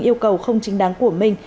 yêu cầu không chính đáng của minh